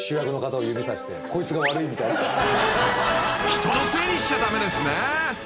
［人のせいにしちゃ駄目ですね］